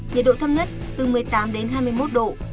nhiệt độ thấp nhất từ một mươi tám đến hai mươi một độ